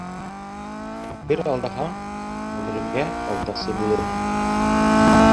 Бер алдаһаң, ғүмергә алдаҡсы булырһың.